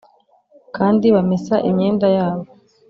kandi bamesa imyenda yabo.